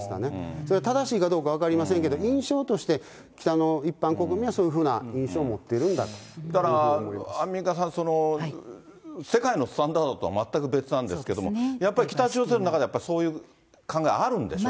それは正しいかどうか分かりませんけど、印象として北の一般国民はそういうふうな印象を持っていだからアンミカさん、世界のスタンダードとは全く別なんですけど、やっぱり北朝鮮の中では、やっぱりそういう考え、あるんでしょう。